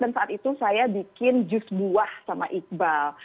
dan saat itu saya bikin jus buah sama iqbal